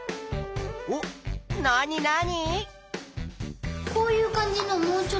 おっ何何？